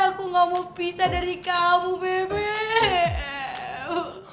aku gak mau pisah dari kamu bebek